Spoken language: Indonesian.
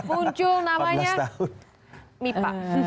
muncul namanya mipa